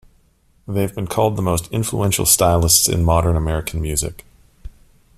They have been called the most influential stylists in modern American music.